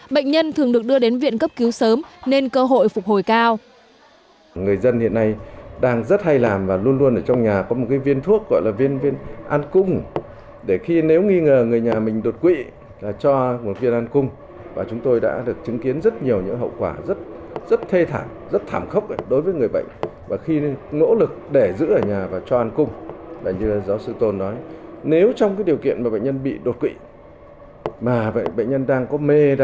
bệnh nhân thường được đưa đến viện cấp cứu sớm nên cơ hội phục hồi cao